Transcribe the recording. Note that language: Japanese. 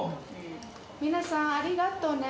皆さん、ありがとうね。